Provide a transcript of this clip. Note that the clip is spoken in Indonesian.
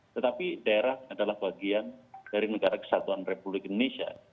tetapi daerah adalah bagian dari negara kesatuan republik indonesia